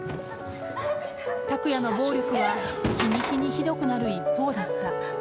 卓弥の暴力は日に日にひどくなる一方だった。